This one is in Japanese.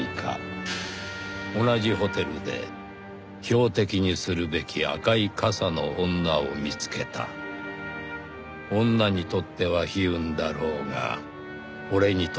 同じホテルで標的にするべき赤い傘の女を見つけた」「女にとっては悲運だろうが俺にとっては幸運だ」